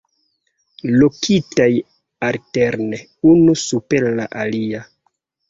Lokitaj alterne unu super la alia.